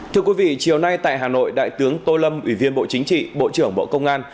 thưa quý vị chiều nay tại hà nội đại tướng tô lâm ủy viên bộ chính trị bộ trưởng bộ công an